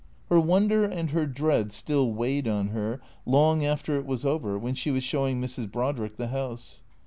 Her wonder and her dread still weighed on her, long after it was over, when she was showing Mrs. Brodrick the house.